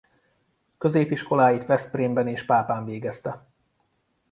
Középiskoláit Veszprémben és Pápán végezte.